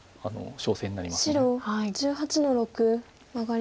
白１８の六マガリ。